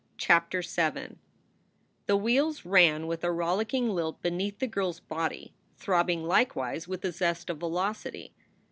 CHAPTER VII THE wheels ran with a rollicking lilt beneath the girl s body, throbbing likewise with a zest of velocity.